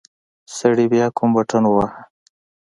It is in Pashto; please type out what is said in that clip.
سړي بيا کوم بټن وواهه.